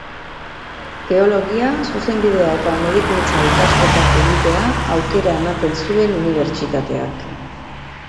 Teologia, Zuzenbidea eta Medikuntza ikasketak egitea aukera ematen zuen unibertsitateak.